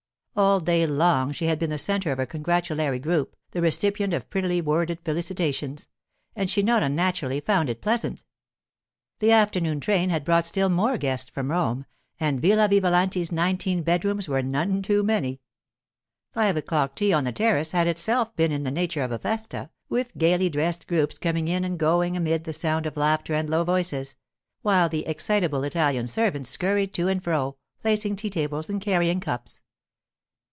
All day long she had been the centre of a congratulatory group, the recipient of prettily worded felicitations; and she not unnaturally found it pleasant. The afternoon train had brought still more guests from Rome, and Villa Vivalanti's nineteen bedrooms were none too many. Five o'clock tea on the terrace had in itself been in the nature of a festa, with gaily dressed groups coming and going amid the sound of laughter and low voices; while the excitable Italian servants scurried to and fro, placing tea tables and carrying cups.